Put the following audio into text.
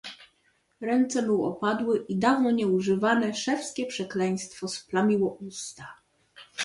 "Ręce mu opadły i dawno nieużywane, szewskie przekleństwo splamiło usta."